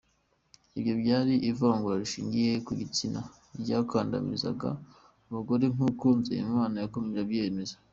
Ibyo byari ivangura rishingiye ku gutsina ryakandamizaga abagore, nk’uko Nzeyimana yakomeje abyemeza.